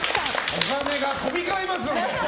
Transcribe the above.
お金が飛び交いますんで。